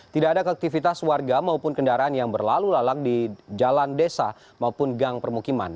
tidak ada aktivitas warga maupun kendaraan yang berlalu lalang di jalan desa maupun gang permukiman